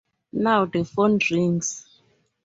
Now the phone rings.